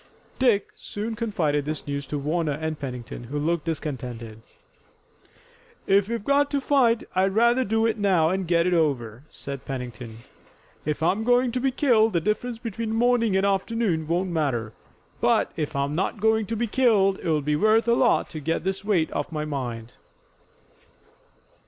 Dick soon confided this news to Warner and Pennington, who looked discontented. "If we've got to fight, I'd rather do it now and get it over," said Pennington. "If I'm going to be killed the difference between morning and afternoon won't matter, but if I'm not going to be killed it'll be worth a lot to get this weight off my mind."